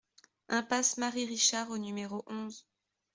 Impasse Marie Richard au numéro onze